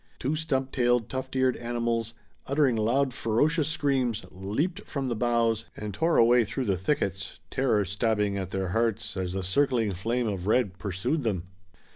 Two stump tailed, tuft eared animals, uttering loud ferocious screams, leaped from the boughs and tore away through the thickets, terror stabbing at their hearts, as the circling flame of red pursued them.